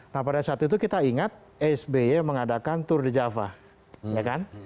nah pada saat itu kita ingat sby mengadakan tour de java ya kan